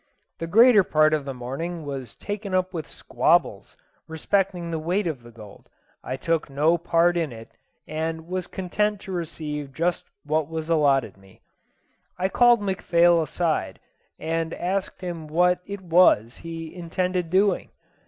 The greater part of the morning was taken up with squabbles respecting the weighing of the gold. I took no part in it, and was content to receive just what was allotted to me. I called McPhail aside, and asked him what it was he intended doing.